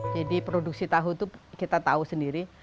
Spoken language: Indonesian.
produksi tahu itu kita tahu sendiri